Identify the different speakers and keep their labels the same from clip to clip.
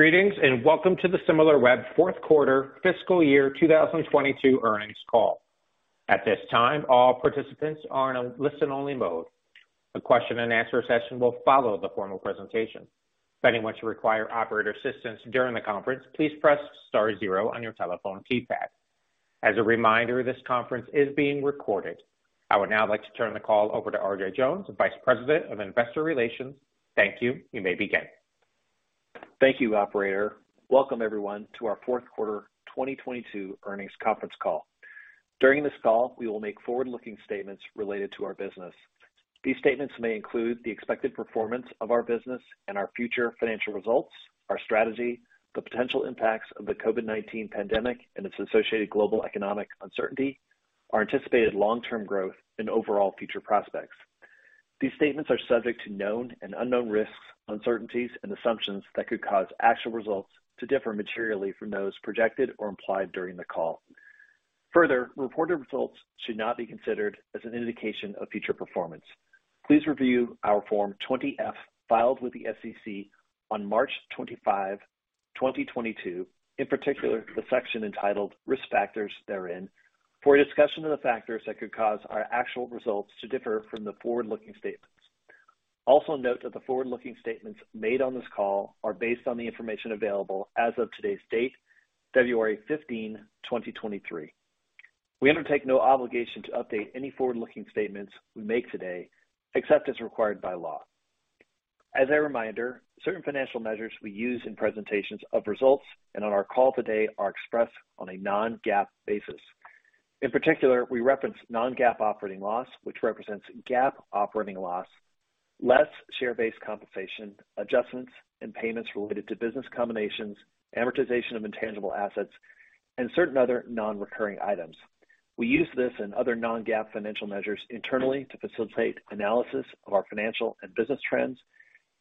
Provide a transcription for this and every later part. Speaker 1: Greetings. Welcome to the Similarweb fourth quarter fiscal year 2022 earnings call. At this time, all participants are in a listen-only mode. The question and answer session will follow the formal presentation. If anyone should require operator assistance during the conference, please press star zero on your telephone keypad. As a reminder, this conference is being recorded. I would now like to turn the call over to RJ Jones, Vice President of Investor Relations. Thank you. You may begin.
Speaker 2: Thank you, operator. Welcome everyone to our fourth quarter 2022 earnings conference call. During this call, we will make forward-looking statements related to our business. These statements may include the expected performance of our business and our future financial results, our strategy, the potential impacts of the COVID-19 pandemic and its associated global economic uncertainty, our anticipated long-term growth and overall future prospects. These statements are subject to known and unknown risks, uncertainties, and assumptions that could cause actual results to differ materially from those projected or implied during the call. Further, reported results should not be considered as an indication of future performance. Please review our Form 20-F, filed with the SEC on March 25, 2022, in particular, the section entitled Risk Factors therein, for a discussion of the factors that could cause our actual results to differ from the forward-looking statements. Also note that the forward-looking statements made on this call are based on the information available as of today's date, February 15, 2023. We undertake no obligation to update any forward-looking statements we make today, except as required by law. As a reminder, certain financial measures we use in presentations of results and on our call today are expressed on a non-GAAP basis. In particular, we reference non-GAAP operating loss, which represents GAAP operating loss, less share-based compensation, adjustments, and payments related to business combinations, amortization of intangible assets, and certain other non-recurring items. We use this and other non-GAAP financial measures internally to facilitate analysis of our financial and business trends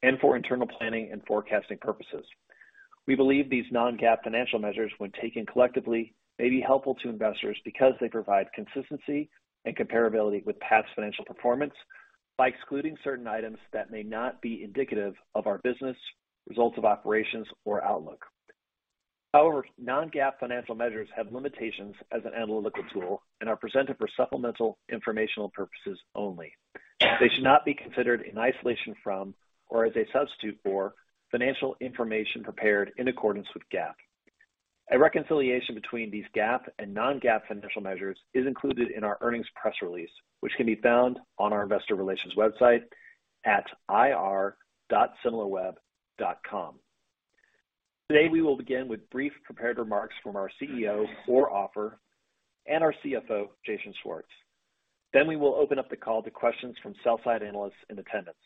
Speaker 2: and for internal planning and forecasting purposes. We believe these non-GAAP financial measures, when taken collectively, may be helpful to investors because they provide consistency and comparability with past financial performance by excluding certain items that may not be indicative of our business, results of operations, or outlook. However, non-GAAP financial measures have limitations as an analytical tool and are presented for supplemental informational purposes only. They should not be considered in isolation from or as a substitute for financial information prepared in accordance with GAAP. A reconciliation between these GAAP and non-GAAP financial measures is included in our earnings press release, which can be found on our investor relations website at ir.similarweb.com. Today, we will begin with brief prepared remarks from our CEO, Or Offer, and our CFO, Jason Schwartz. We will open up the call to questions from sell-side analysts in attendance.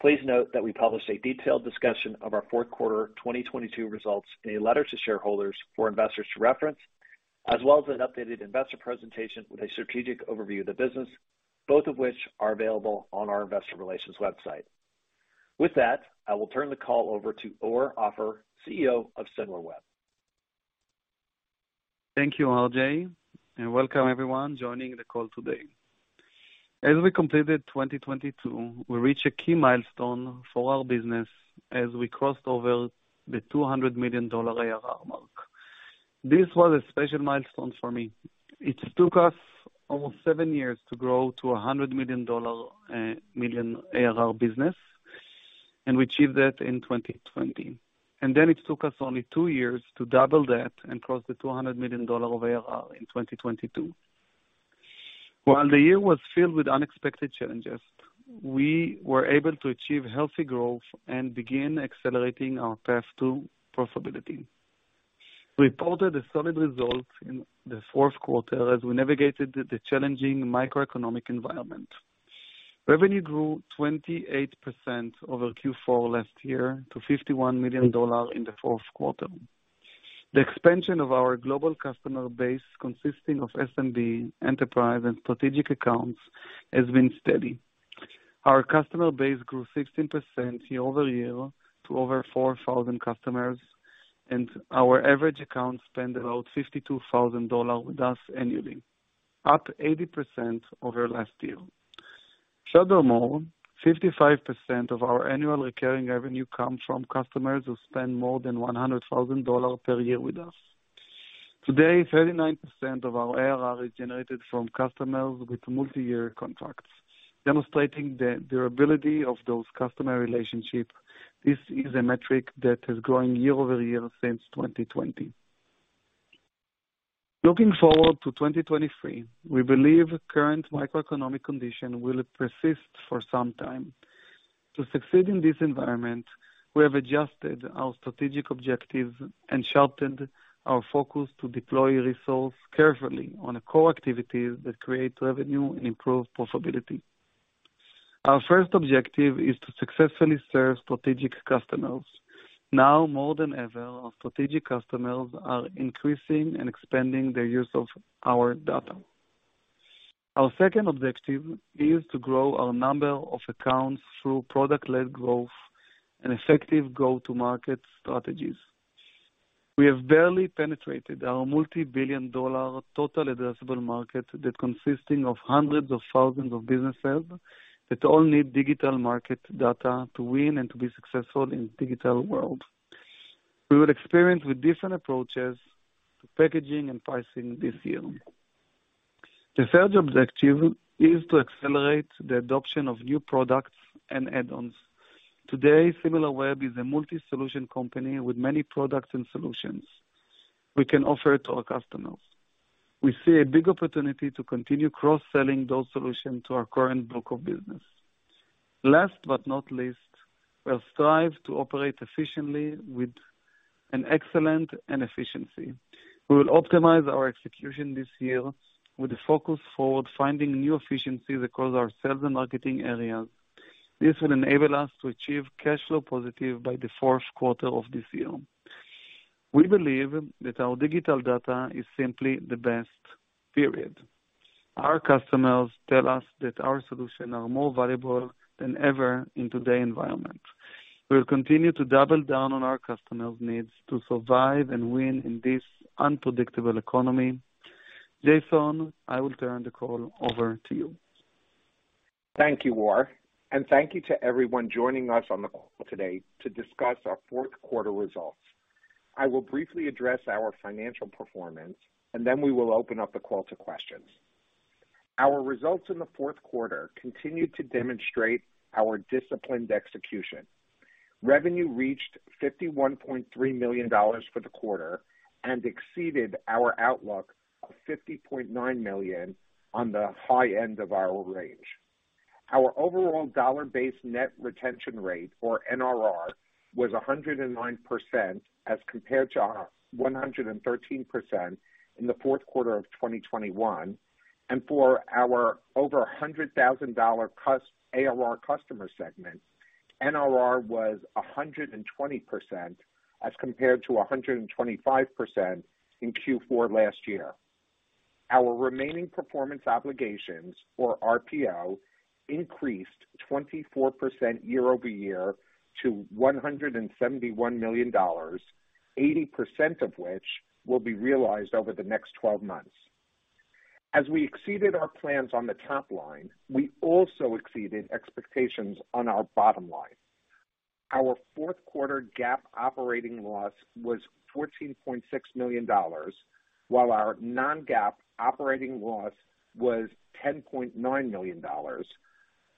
Speaker 2: Please note that we published a detailed discussion of our fourth quarter 2022 results in a letter to shareholders for investors to reference, as well as an updated investor presentation with a strategic overview of the business, both of which are available on our investor relations website. With that, I will turn the call over to Or Offer, CEO of Similarweb.
Speaker 3: Thank you, RJ. Welcome everyone joining the call today. As we completed 2022, we reached a key milestone for our business as we crossed over the $200 million ARR mark. This was a special milestone for me. It took us almost seven years to grow to a $100 million ARR business, and we achieved that in 2020. It took us only two years to double that and cross the $200 million of ARR in 2022. While the year was filled with unexpected challenges, we were able to achieve healthy growth and begin accelerating our path to profitability. We reported a solid result in the fourth quarter as we navigated the challenging macroeconomic environment. Revenue grew 28% over Q4 last year to $51 million in the fourth quarter. The expansion of our global customer base, consisting of SMB, enterprise, and strategic accounts, has been steady. Our customer base grew 16% year-over-year to over 4,000 customers, and our average account spent about $52,000 with us annually, up 80% over last year. Furthermore, 55% of our annual recurring revenue comes from customers who spend more than $100,000 per year with us. Today, 39% of our ARR is generated from customers with multi-year contracts, demonstrating the durability of those customer relationships. This is a metric that has grown year-over-year since 2020. Looking forward to 2023, we believe current macroeconomic conditions will persist for some time. To succeed in this environment, we have adjusted our strategic objectives and sharpened our focus to deploy resources carefully on core activities that create revenue and improve profitability. Our first objective is to successfully serve strategic customers. Now more than ever, our strategic customers are increasing and expanding their use of our data. Our second objective is to grow our number of accounts through product-led growth and effective go-to-market strategies. We have barely penetrated our multibillion-dollar total addressable market that consisting of hundreds of thousands of businesses that all need digital market data to win and to be successful in digital world. We will experiment with different approaches to packaging and pricing this year. The third objective is to accelerate the adoption of new products and add-ons. Today, Similarweb is a multi-solution company with many products and solutions we can offer to our customers. We see a big opportunity to continue cross-selling those solutions to our current book of business. Last but not least, we'll strive to operate efficiently with an excellent and efficiency. We will optimize our execution this year with a focus forward finding new efficiencies across our sales and marketing areas. This will enable us to achieve cash flow positive by the fourth quarter of this year. We believe that our digital data is simply the best, period. Our customers tell us that our solutions are more valuable than ever in today environment. We'll continue to double down on our customers needs to survive and win in this unpredictable economy. Jason, I will turn the call over to you.
Speaker 4: Thank you, Or. Thank you to everyone joining us on the call today to discuss our fourth quarter results. I will briefly address our financial performance, and then we will open up the call to questions. Our results in the fourth quarter continued to demonstrate our disciplined execution. Revenue reached $51.3 million for the quarter and exceeded our outlook of $50.9 million on the high end of our range. Our overall dollar-based net retention rate, or NRR, was 109% as compared to our 113% in the fourth quarter of 2021. For our over $100,000 ARR customer segment, NRR was 120% as compared to 125% in Q4 last year. Our remaining performance obligations, or RPO, increased 24% year-over-year to $171 million, 80% of which will be realized over the next 12 months. As we exceeded our plans on the top line, we also exceeded expectations on our bottom line. Our fourth quarter GAAP operating loss was $14.6 million, while our non-GAAP operating loss was $10.9 million,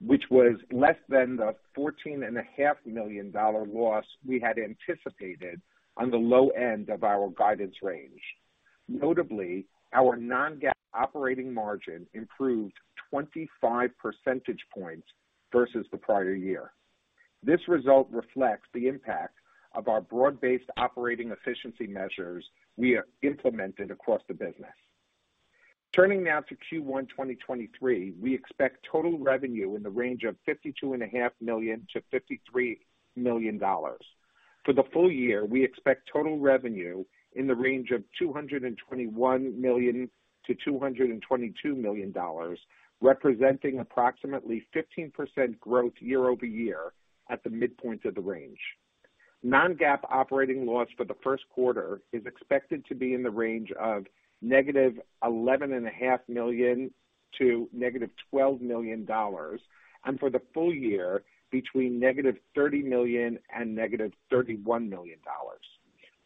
Speaker 4: which was less than the fourteen and a half million dollar loss we had anticipated on the low end of our guidance range. Notably, our non-GAAP operating margin improved 25 percentage points versus the prior year. This result reflects the impact of our broad-based operating efficiency measures we have implemented across the business. Turning now to Q1, 2023, we expect total revenue in the range of 52.5 million to 53 million dollars. For the full year, we expect total revenue in the range of $221 million-$222 million, representing approximately 15% growth year-over-year at the midpoint of the range. Non-GAAP operating loss for the first quarter is expected to be in the range of -$11 and a half million to -$12 million, and for the full year between -$30 million and -$31 million.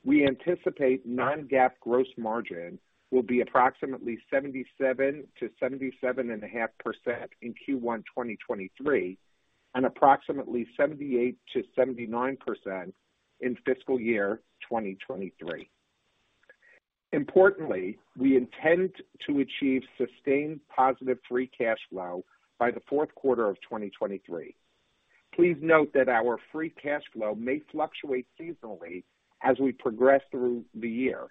Speaker 4: We anticipate non-GAAP gross margin will be approximately 77%-77.5% in Q1 2023, and approximately 78%-79% in fiscal year 2023. Importantly, we intend to achieve sustained positive free cash flow by the fourth quarter of 2023. Please note that our free cash flow may fluctuate seasonally as we progress through the year.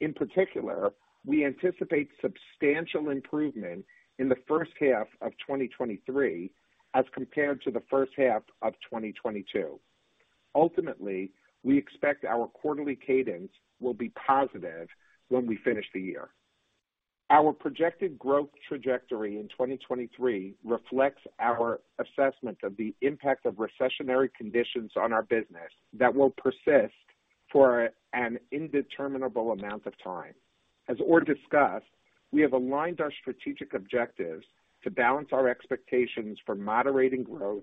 Speaker 4: In particular, we anticipate substantial improvement in the first half of 2023 as compared to the first half of 2022. Ultimately, we expect our quarterly cadence will be positive when we finish the year. Our projected growth trajectory in 2023 reflects our assessment of the impact of recessionary conditions on our business that will persist for an indeterminable amount of time. As Or discussed, we have aligned our strategic objectives to balance our expectations for moderating growth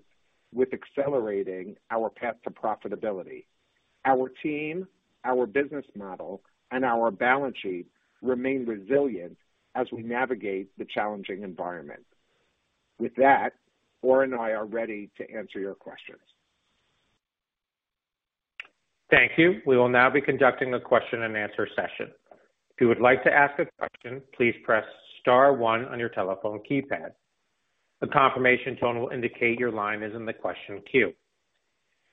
Speaker 4: with accelerating our path to profitability. Our team, our business model, and our balance sheet remain resilient as we navigate the challenging environment. With that, Or and I are ready to answer your questions.
Speaker 1: Thank you. We will now be conducting a question and answer session. If you would like to ask a question, please press star one on your telephone keypad. A confirmation tone will indicate your line is in the question queue.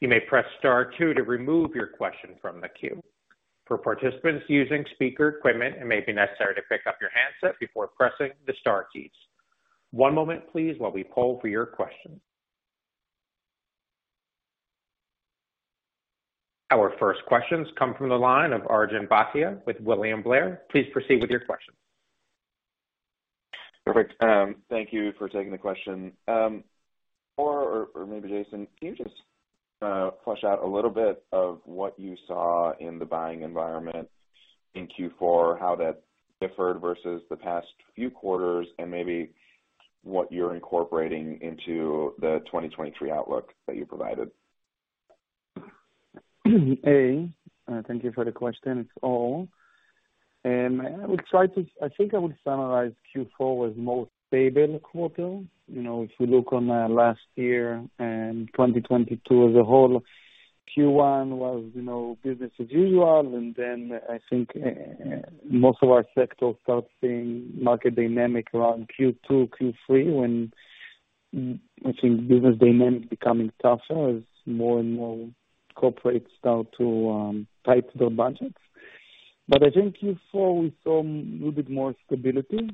Speaker 1: You may press star two to remove your question from the queue. For participants using speaker equipment, it may be necessary to pick up your handset before pressing the star keys. One moment please while we poll for your questions. Our first questions come from the line of Arjun Bhatia with William Blair. Please proceed with your question.
Speaker 5: Perfect. Thank you for taking the question. Or maybe Jason, can you just flush out a little bit of what you saw in the buying environment in Q4, how that differed versus the past few quarters, and maybe what you're incorporating into the 2023 outlook that you provided?
Speaker 3: Hey, thank you for the question. It's Or. I think I would summarize Q4 as more stable quarter. You know, if you look on last year and 2022 as a whole, Q1 was, you know, business as usual. I think most of our sector started seeing market dynamic around Q2, Q3, when I think business dynamics becoming tougher as more and more corporates start to tight their budgets. I think Q4 we saw a little bit more stability.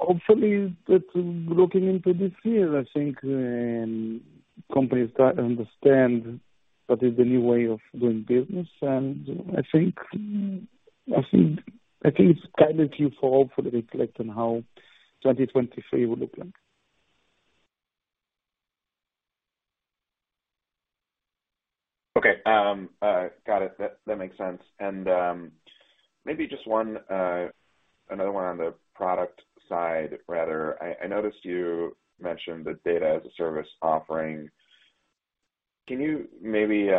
Speaker 3: Hopefully that looking into this year, I think companies start to understand what is the new way of doing business. I think it's guided Q4 hopefully reflect on how 2023 will look like.
Speaker 5: Okay. Got it. That makes sense. Maybe just one another one on the product side, rather. I noticed you mentioned the data as a service offering. Can you maybe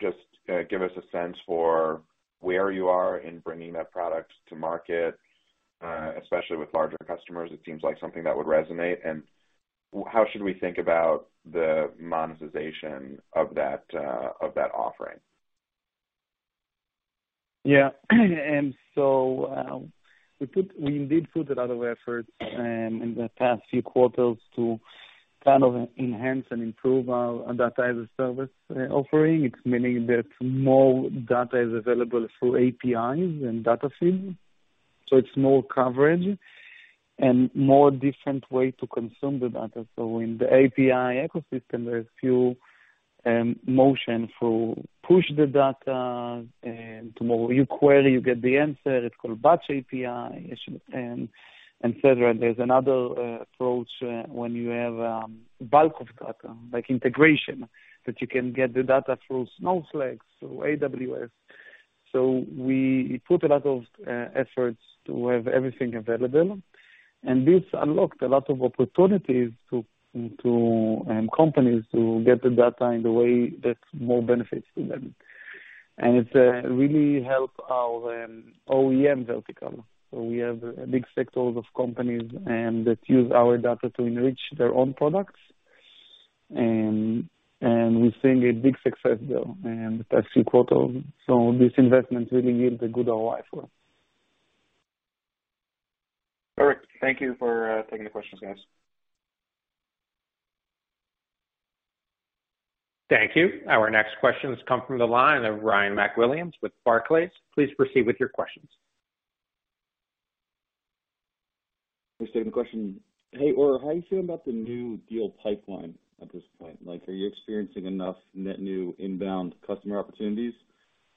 Speaker 5: just give us a sense for where you are in bringing that product to market, especially with larger customers? It seems like something that would resonate. How should we think about the monetization of that offering?
Speaker 3: Yeah. We indeed put a lot of effort in the past few quarters to kind of enhance and improve our data as a service offering. It's meaning that more data is available through APIs and data feed, so it's more coverage and more different way to consume the data. In the API ecosystem, there's few motion to push the data and to more you query, you get the answer. It's called Batch API, S3, et cetera. There's another approach when you have bulk of data, like integration, that you can get the data through Snowflake, through AWS. We put a lot of efforts to have everything available, and this unlocked a lot of opportunities to companies to get the data in the way that's more benefits to them. It really help our OEM vertical. We have a big sectors of companies that use our data to enrich their own products. We're seeing a big success there in the past few quarters. This investment really yield a good ROI for it.
Speaker 5: Perfect. Thank you for taking the questions, guys.
Speaker 1: Thank you. Our next questions come from the line of Ryan MacWilliams with Barclays. Please proceed with your questions.
Speaker 6: Thanks for taking the question. Hey, Or, how are you feeling about the new deal pipeline at this point? Like, are you experiencing enough net new inbound customer opportunities?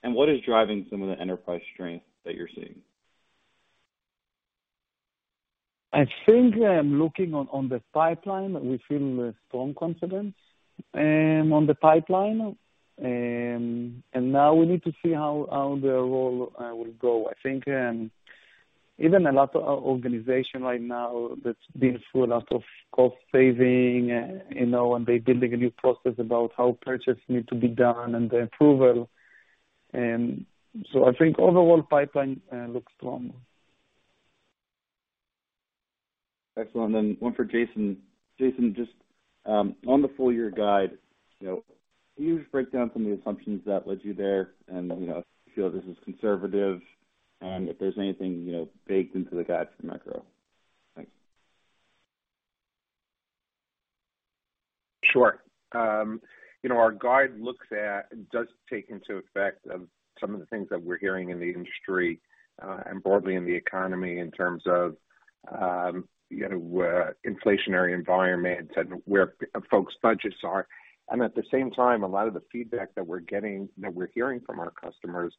Speaker 6: What is driving some of the enterprise strength that you're seeing?
Speaker 3: I think I'm looking on the pipeline. We feel strong confidence on the pipeline. Now we need to see how the role will go. I think even a lot of our organization right now that's been through a lot of cost saving, you know, they're building a new process about how purchase need to be done and the approval. I think overall pipeline looks strong.
Speaker 6: Excellent. One for Jason. Jason, just on the full year guide, you know, can you just break down some of the assumptions that led you there and, you know, feel this is conservative, and if there's anything, you know, baked into the guide for the macro? Thanks.
Speaker 4: Sure. You know, our guide does take into effect of some of the things that we're hearing in the industry, and broadly in the economy in terms of, you know, inflationary environment and where folks' budgets are. At the same time, a lot of the feedback that we're getting, that we're hearing from our customers,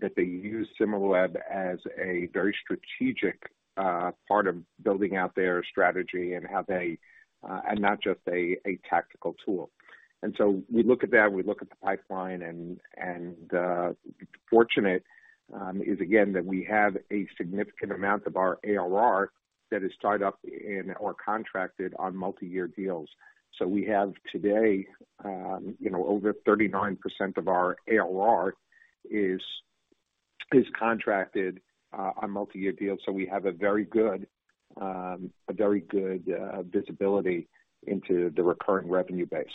Speaker 4: that they use Similarweb as a very strategic part of building out their strategy and have a and not just a tactical tool. We look at that, we look at the pipeline and fortunate is again, that we have a significant amount of our ARR that is tied up in or contracted on multi-year deals. We have today, you know, over 39% of our ARR is contracted on multi-year deals. We have a very good visibility into the recurring revenue base.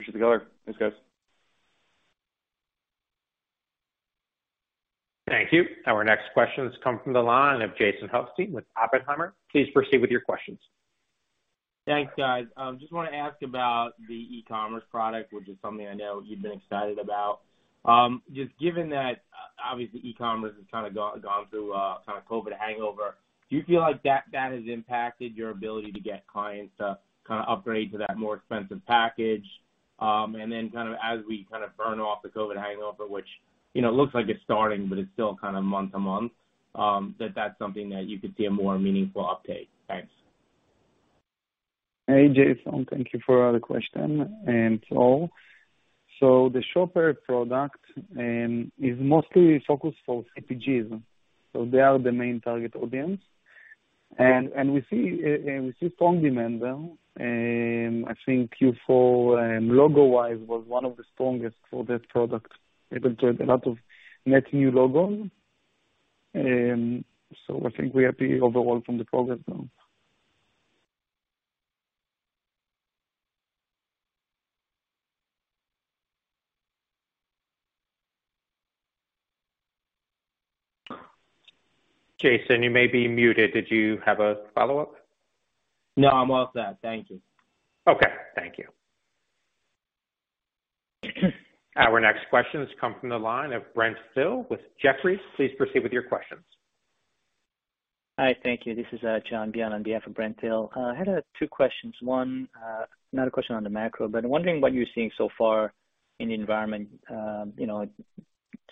Speaker 6: Appreciate the color. Thanks, guys.
Speaker 1: Thank you. Our next question comes from the line of Jason Helfstein with Oppenheimer. Please proceed with your questions.
Speaker 7: Thanks, guys. Just wanna ask about the e-commerce product, which is something I know you've been excited about. Just given that obviously e-commerce has kinda gone through a kinda COVID hangover, do you feel like that has impacted your ability to get clients to kinda upgrade to that more expensive package? kind of as we kind of burn off the COVID hangover, which, you know, looks like it's starting, but it's still kind of month to month, that's something that you could see a more meaningful uptake. Thanks.
Speaker 3: Hey, Jason. Thank you for the question. The Shopper product is mostly focused for CPGs. They are the main target audience. We see strong demand there. I think Q4, logo-wise was one of the strongest for that product. It enjoyed a lot of net new logos. I think we are happy overall from the progress now.
Speaker 1: Jason, you may be muted. Did you have a follow-up?
Speaker 7: No, I'm all set. Thank you.
Speaker 1: Okay, thank you. Our next question has come from the line of Brent Thill with Jefferies. Please proceed with your questions.
Speaker 8: Hi. Thank you. This is John Byun on behalf of Brent Thill. I had two questions. One, not a question on the macro, but I'm wondering what you're seeing so far in the environment, you know,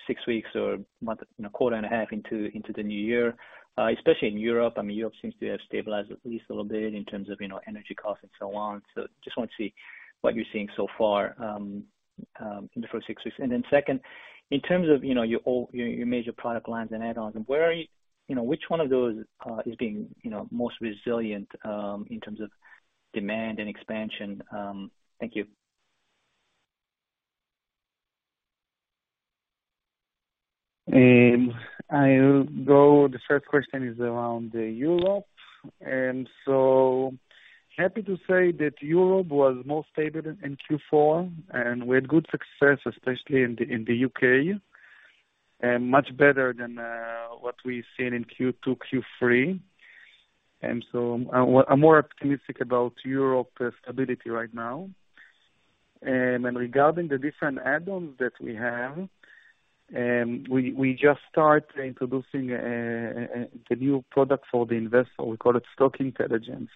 Speaker 8: six weeks or month, you know, quarter and a half into the new year, especially in Europe. I mean, Europe seems to have stabilized at least a little bit in terms of, you know, energy costs and so on. Just want to see what you're seeing so far in the first six weeks. Second, in terms of, you know, your major product lines and add-ons, where are you... You know, which one of those is being, you know, most resilient in terms of demand and expansion? Thank you.
Speaker 3: I'll go. The first question is around Europe. Happy to say that Europe was more stable in Q4, and we had good success, especially in the U.K., and much better than what we've seen in Q2, Q3. Regarding the different add-ons that we have, we just start introducing the new product for the investor. We call it Stock Intelligence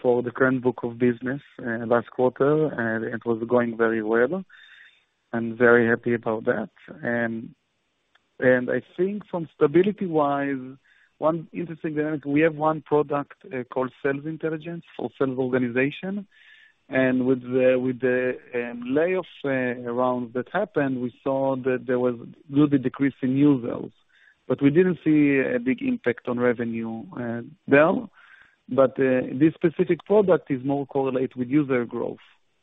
Speaker 3: for the current book of business last quarter. It was going very well. I'm very happy about that. I think from stability-wise, one interesting dynamic, we have one product called Sales Intelligence for sales organization. With the layoffs around that happened, we saw that there was little decrease in new sales. We didn't see a big impact on revenue, there. This specific product is more correlate with user growth.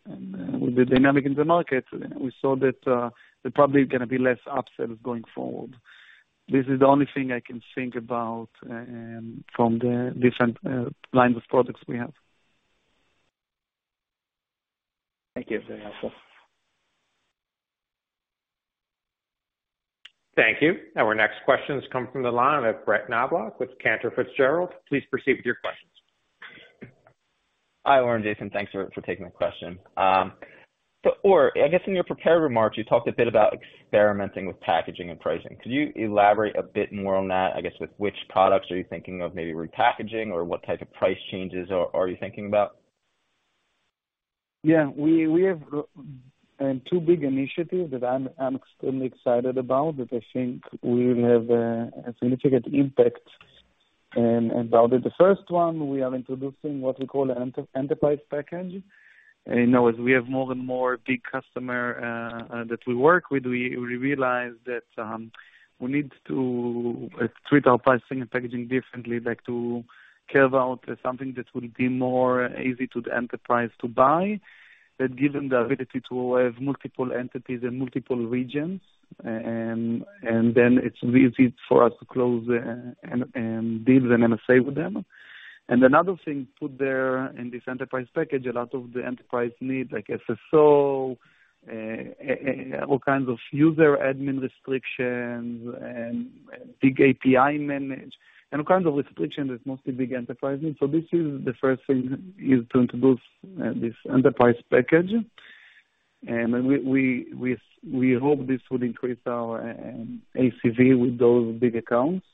Speaker 3: With the dynamic in the market, we saw that, there probably gonna be less upsells going forward. This is the only thing I can think about, from the different, line of products we have.
Speaker 8: Thank you. Very helpful.
Speaker 1: Thank you. Our next question comes from the line of Brett Knoblauch with Cantor Fitzgerald. Please proceed with your questions.
Speaker 9: Hi, Or, Jason. Thanks for taking the question. Or, I guess in your prepared remarks, you talked a bit about experimenting with packaging and pricing. Could you elaborate a bit more on that, I guess, with which products are you thinking of maybe repackaging or what type of price changes are you thinking about?
Speaker 3: Yeah. We have two big initiatives that I'm extremely excited about that I think will have a significant impact about it. The first one, we are introducing what we call enterprise package. You know, as we have more and more big customer that we work with, we realize that we need to treat our pricing and packaging differently. Like, to care about something that will be more easy to the enterprise to buy, that give them the ability to have multiple entities in multiple regions, and then it's easy for us to close deals and NSA with them. Another thing put there in this enterprise package, a lot of the enterprise need, like SSO, all kinds of user admin restrictions and big API manage, and all kinds of restrictions that mostly big enterprise need. This is the first thing is to introduce this enterprise package. We hope this would increase our ACV with those big accounts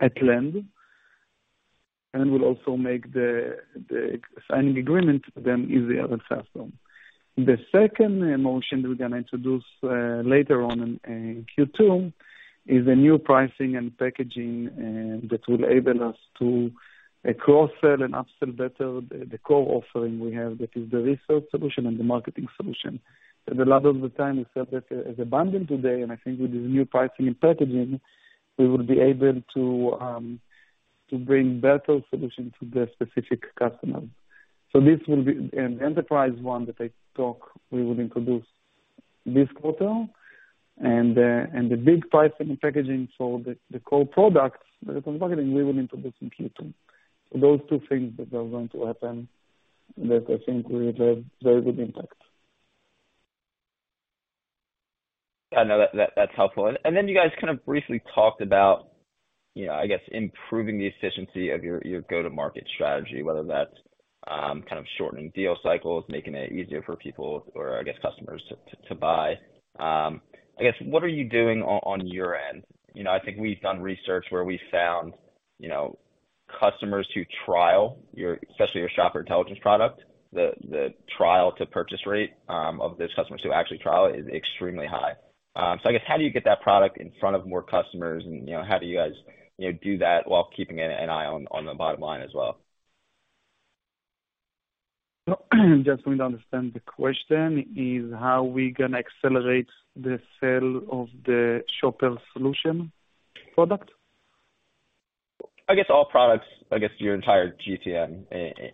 Speaker 3: at length. Will also make the signing agreement with them easier and faster. The second motion we're gonna introduce later on in Q2 is a new pricing and packaging that will enable us to cross-sell and upsell better the core offering we have, which is the research solution and the marketing solution. A lot of the time we sell that as a bundle today, and I think with this new pricing and packaging, we will be able to bring better solution to the specific customer. An enterprise one that I talk, we will introduce this quarter. The big pricing and packaging for the core product, research and marketing, we will introduce in Q2. Those two things that are going to happen that I think will have very good impact.
Speaker 9: I know. That's helpful. Then you guys kind of briefly talked about, you know, I guess, improving the efficiency of your go-to-market strategy, whether that's kind of shortening deal cycles, making it easier for people or I guess customers to buy. I guess, what are you doing on your end? You know, I think we've done research where we found, you know, customers who trial your, especially your Shopper Intelligence product, the trial to purchase rate of those customers who actually trial it is extremely high. So I guess how do you get that product in front of more customers and, you know, how do you guys, you know, do that while keeping an eye on the bottom line as well?
Speaker 3: Just want to understand the question is how we can accelerate the sale of the Shopper solution product.
Speaker 9: I guess all products, your entire GTM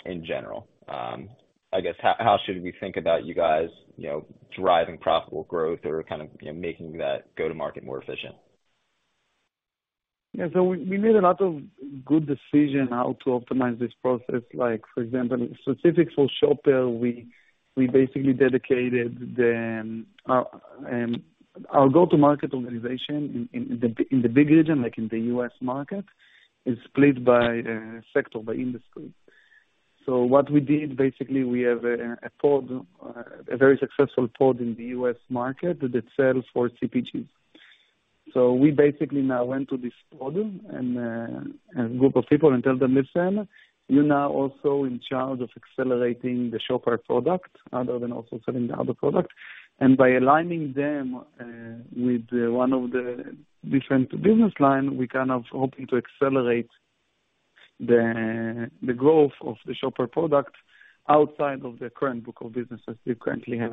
Speaker 9: in general. I guess how should we think about you guys, you know, driving profitable growth or kind of, you know, making that go to market more efficient?
Speaker 3: Yeah. We made a lot of good decision how to optimize this process. Like, for example, specifics for Shopper, we basically dedicated the go-to-market organization in the big region, like in the US market, is split by the sector, by industry. What we did, basically we have a pod, a very successful pod in the US market that sells for CPG. We basically now went to this pod and a group of people and tell them, "Listen, you're now also in charge of accelerating the Shopper product other than also selling the other product." By aligning them with one of the different business line, we kind of hoping to accelerate the growth of the Shopper product outside of the current book of business as we currently have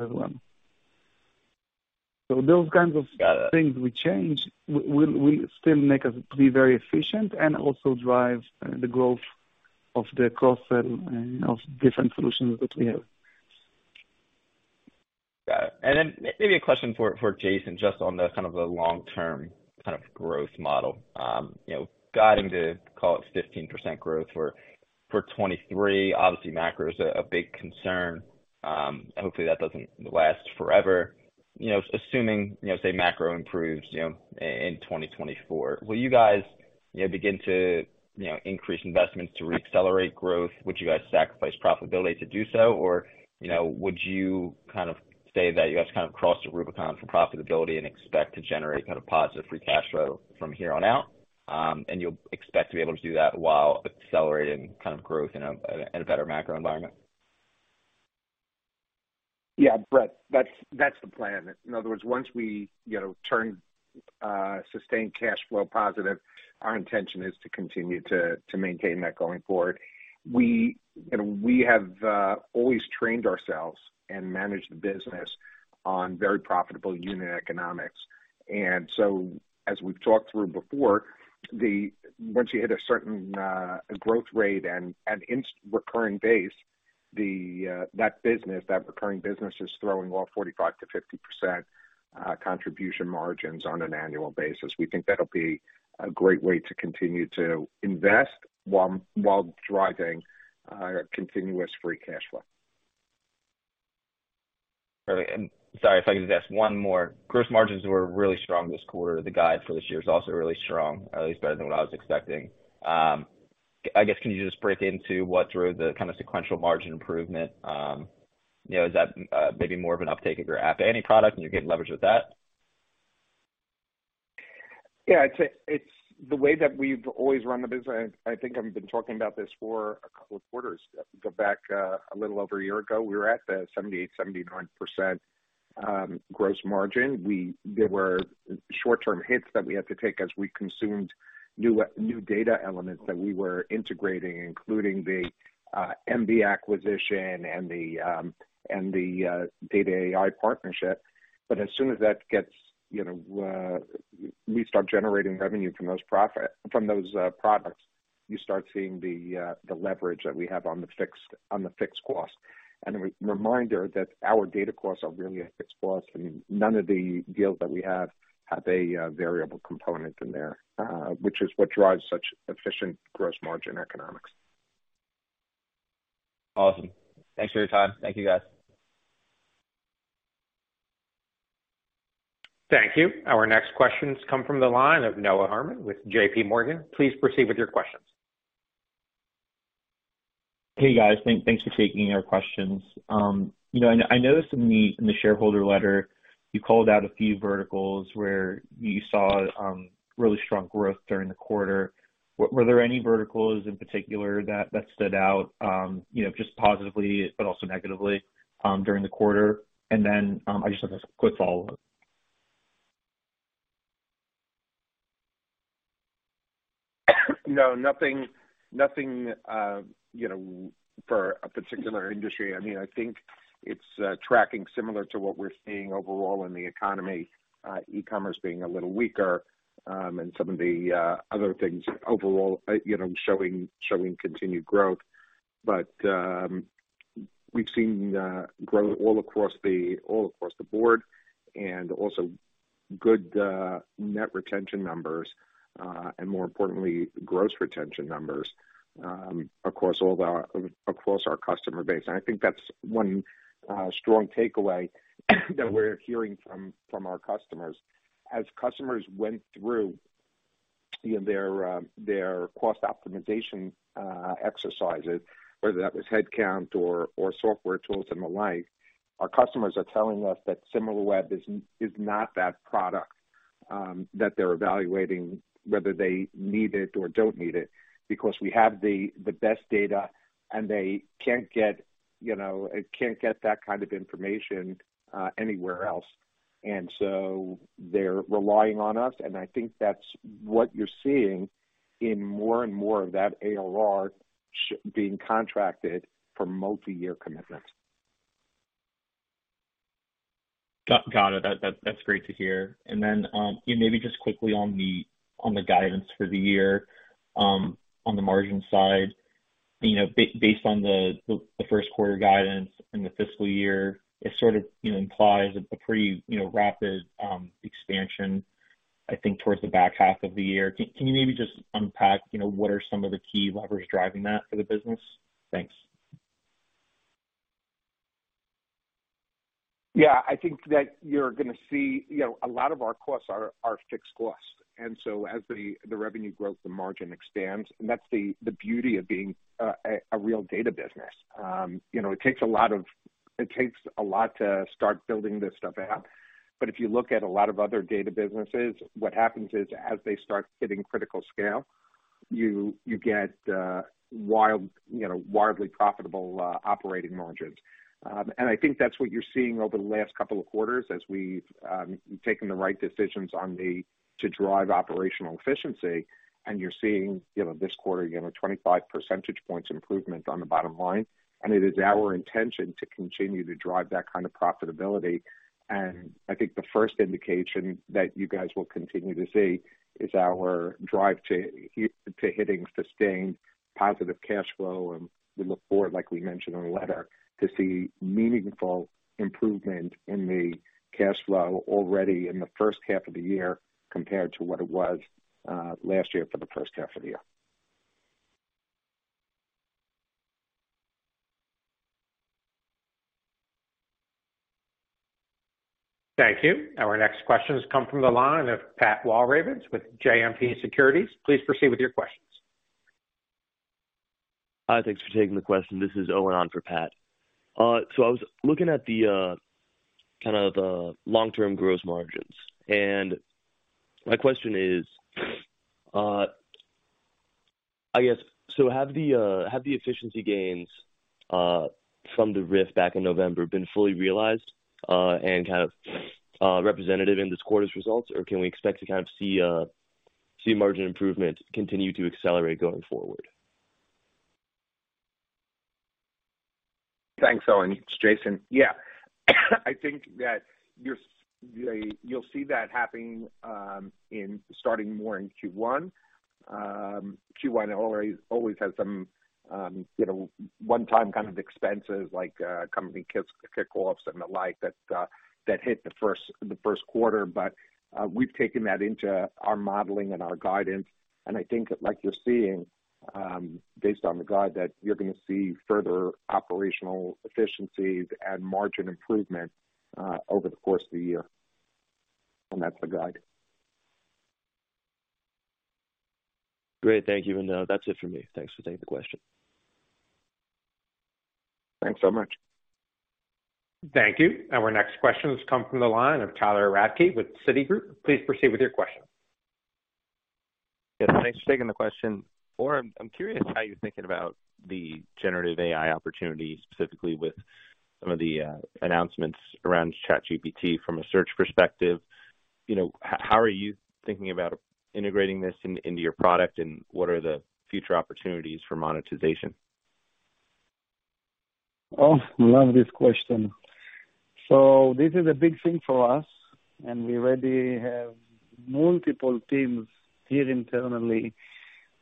Speaker 3: it run. Those kinds of-
Speaker 9: Got it.
Speaker 3: things we change will still make us be very efficient and also drive the growth of the cross-sell of different solutions that we have.
Speaker 9: Got it. Then maybe a question for Jason, just on the kind of the long-term kind of growth model. You know, guiding to call it 15% growth for 2023, obviously macro is a big concern. Hopefully that doesn't last forever. You know, assuming, you know, say macro improves, you know, in 2024, will you guys, you know, begin to, you know, increase investments to re-accelerate growth? Would you guys sacrifice profitability to do so? You know, would you kind of say that you guys kind of crossed the Rubicon for profitability and expect to generate kind of positive free cash flow from here on out, and you'll expect to be able to do that while accelerating kind of growth in a, at a better macro environment?
Speaker 4: Yeah, Brett, that's the plan. In other words, once we, you know, turn sustained cash flow positive, our intention is to continue to maintain that going forward. We, you know, we have always trained ourselves and managed the business on very profitable unit economics. As we've talked through before, once you hit a certain growth rate and a recurring base, that business, that recurring business is throwing off 45%-50% contribution margins on an annual basis. We think that'll be a great way to continue to invest while driving continuous free cash flow.
Speaker 9: Great. Sorry, if I could just ask one more. Gross margins were really strong this quarter. The guide for this year is also really strong, or at least better than what I was expecting. I guess, can you just break into what drove the kind of sequential margin improvement? You know, is that maybe more of an uptake of your App Intelligence product and you're getting leverage with that?
Speaker 4: It's the way that we've always run the business. I think I've been talking about this for a couple of quarters. Go back a little over a year ago, we were at the 78%, 79% gross margin. There were short-term hits that we had to take as we consumed new data elements that we were integrating, including the MD acquisition and the data.ai partnership. But as soon as that gets, you know, We start generating revenue from those products, you start seeing the leverage that we have on the fixed, on the fixed cost. A re-reminder that our data costs are really a fixed cost. I mean, none of the deals that we have a variable component in there, which is what drives such efficient gross margin economics.
Speaker 9: Awesome. Thanks for your time. Thank you, guys.
Speaker 1: Thank you. Our next questions come from the line of Noah Herman with JP Morgan. Please proceed with your questions.
Speaker 10: Hey, guys. Thanks for taking our questions. you know, I noticed in the shareholder letter you called out a few verticals where you saw really strong growth during the quarter. Were there any verticals in particular that stood out, you know, just positively but also negatively during the quarter? I just have a quick follow-up.
Speaker 4: No, nothing, you know, for a particular industry. I mean, I think it's tracking similar to what we're seeing overall in the economy, e-commerce being a little weaker, and some of the other things overall, you know, showing continued growth. We've seen growth all across the board and also good net retention numbers and more importantly, gross retention numbers across our customer base. I think that's one strong takeaway that we're hearing from our customers. As customers went through, you know, their their cost optimization exercises, whether that was headcount or software tools and the like, our customers are telling us that Similarweb is not that product. That they're evaluating whether they need it or don't need it because we have the the best data and they can't get, you know, can't get that kind of information anywhere else. So they're relying on us, and I think that's what you're seeing in more and more of that ARR being contracted for multiyear commitments.
Speaker 10: Got it. That's great to hear. Yeah, maybe just quickly on the guidance for the year, on the margin side. You know, based on the first quarter guidance in the fiscal year, it sort of, you know, implies a pretty, you know, rapid expansion, I think, towards the back half of the year. Can you maybe just unpack, you know, what are some of the key levers driving that for the business? Thanks.
Speaker 4: Yeah. I think that you're gonna see... You know, a lot of our costs are fixed costs, as the revenue grows, the margin expands. That's the beauty of being a real data business. You know, it takes a lot to start building this stuff out. If you look at a lot of other data businesses, what happens is as they start hitting critical scale, you get, you know, wildly profitable operating margins. I think that's what you're seeing over the last couple of quarters as we've taken the right decisions to drive operational efficiency. You're seeing, you know, this quarter, again, a 25 percentage points improvement on the bottom line. It is our intention to continue to drive that kind of profitability. I think the first indication that you guys will continue to see is our drive to hitting sustained positive cash flow. We look forward, like we mentioned in the letter, to see meaningful improvement in the cash flow already in the first half of the year compared to what it was, last year for the first half of the year.
Speaker 1: Thank you. Our next question has come from the line of Pat Walravens with JMP Securities. Please proceed with your questions.
Speaker 11: Thanks for taking the question. This is Owen on for Pat. I was looking at the kind of the long-term gross margins. My question is, I guess, have the efficiency gains from the RIF back in November been fully realized and kind of representative in this quarter's results? Or can we expect to kind of see margin improvement continue to accelerate going forward?
Speaker 4: Thanks, Owen. It's Jason. Yeah. I think that you'll see that happening in starting more in Q1. Q1 always has some, you know, one-time kind of expenses like company kickoffs and the like that hit the first quarter. We've taken that into our modeling and our guidance, and I think that like you're seeing, based on the guide, that you're gonna see further operational efficiencies and margin improvement over the course of the year. That's the guide.
Speaker 11: Great. Thank you. That's it for me. Thanks for taking the question.
Speaker 4: Thanks so much.
Speaker 1: Thank you. Our next question has come from the line of Tyler Radke with Citigroup. Please proceed with your question.
Speaker 12: Yes, thanks for taking the question. Or, I'm curious how you're thinking about the generative AI opportunity, specifically with some of the announcements around ChatGPT from a search perspective. You know, how are you thinking about integrating this into your product, and what are the future opportunities for monetization?
Speaker 3: Oh, love this question. This is a big thing for us, and we already have multiple teams here internally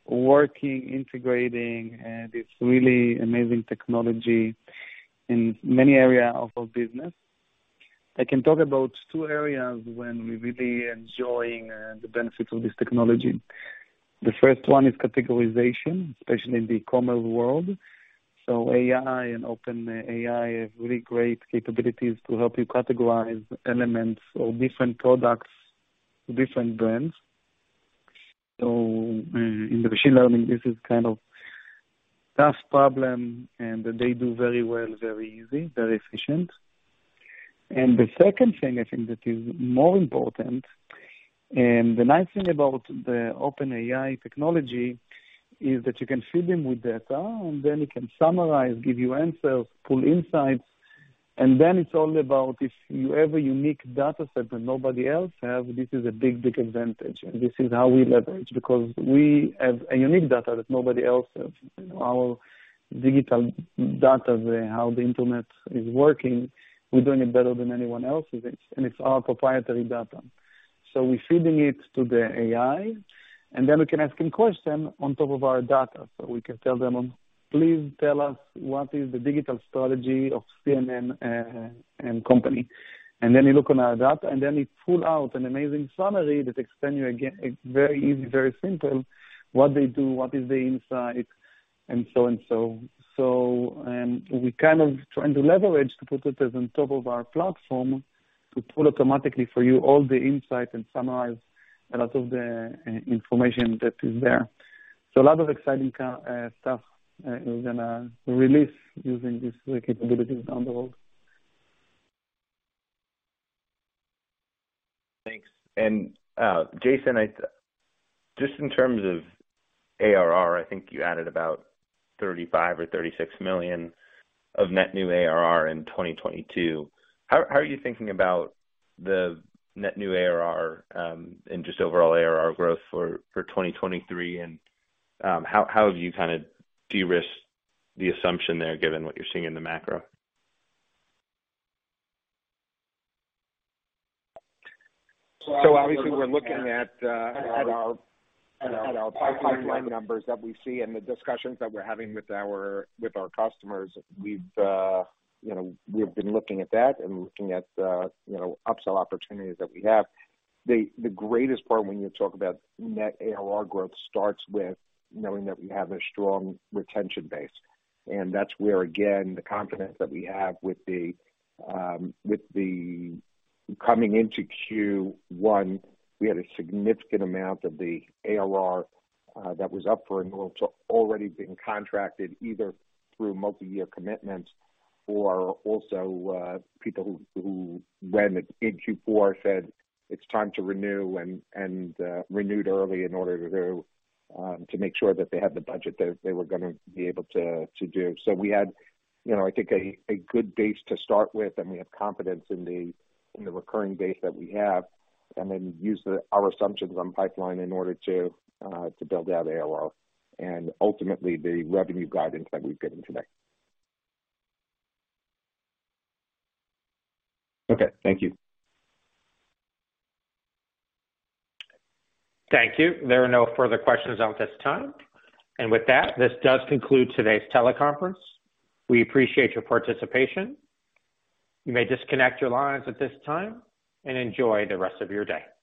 Speaker 3: working, integrating, and it's really amazing technology in many area of our business. I can talk about two areas when we're really enjoying the benefits of this technology. The first one is categorization, especially in the e-commerce world. AI and OpenAI have really great capabilities to help you categorize elements or different products to different brands. In the machine learning, this is kind of tough problem, and they do very well, very easy, very efficient. The second thing I think that is more important, and the nice thing about the OpenAI technology is that you can fill them with data, and then it can summarize, give you answers, pull insights, and then it's all about if you have a unique data set that nobody else have, this is a big, big advantage. This is how we leverage because we have a unique data that nobody else has. You know, our digital data, how the internet is working, we're doing it better than anyone else's, and it's our proprietary data. We're feeding it to the AI, and then we can ask him question on top of our data. We can tell them, "Please tell us what is the digital strategy of CNN and company." Then you look on our data, and then it pull out an amazing summary that explain you again, it's very easy, very simple, what they do, what is the insight, and so and so. We kind of trying to leverage to put this on top of our platform to pull automatically for you all the insights and summarize a lot of the information that is there. A lot of exciting stuff we're gonna release using these capabilities down the road.
Speaker 12: Thanks. Jason, just in terms of ARR, I think you added about $35 million or $36 million of net new ARR in 2022. How are you thinking about the net new ARR, and just overall ARR growth for 2023? How have you kinda de-risked the assumption there given what you're seeing in the macro?
Speaker 4: obviously we're looking at our pipeline numbers that we see and the discussions that we're having with our customers. We've, you know, we've been looking at that and looking at, you know, upsell opportunities that we have. The greatest part when you talk about net ARR growth starts with knowing that we have a strong retention base. That's where, again, the confidence that we have with the coming into Q1, we had a significant amount of the ARR that was up for renewal. It's already been contracted either through multi-year commitments or also people who when in Q4 said it's time to renew and renewed early in order to make sure that they had the budget that they were gonna be able to do. We had, you know, I think a good base to start with, and we have confidence in the, in the recurring base that we have. Then use our assumptions on pipeline in order to build out ARR and ultimately the revenue guidance that we've given today.
Speaker 12: Okay. Thank you.
Speaker 1: Thank you. There are no further questions at this time. With that, this does conclude today's teleconference. We appreciate your participation. You may disconnect your lines at this time and enjoy the rest of your day.